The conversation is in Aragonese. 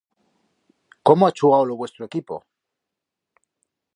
Cómo ha chugau lo vuestro equipo!